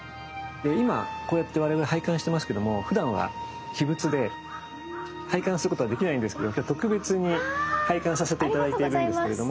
今こうやって我々拝観してますけどもふだんは秘仏で拝観することはできないんですけど今日は特別に拝観させて頂いているんですけれども。